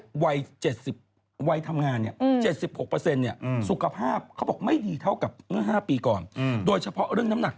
แองจิหรอไม่มีสิทธิ์หวนร้อนดังขนาดนั้น